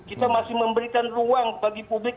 kita masih memberikan ruang bagi publik